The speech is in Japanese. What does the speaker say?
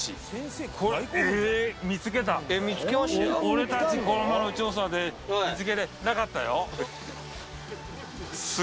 俺たちこの前の調査で見つけれなかったよ。